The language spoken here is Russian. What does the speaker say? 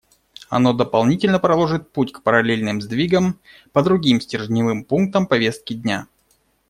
Оно дополнительно проложит путь к параллельным сдвигам по другим стержневым пунктам повестки дня.